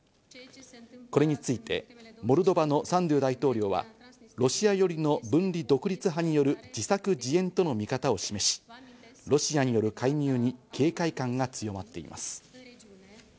これについてモルドバのサンドゥ大統領はロシア寄りの分離独立派による自作自演との見方を示し、ロシアによる介入に警戒感が強まっています。